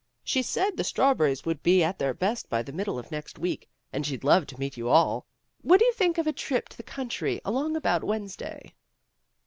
She said the strawberries would be at their best by the middle of next week and she'd love to meet you all. What do you think of a trip to the country along about Wednesday?"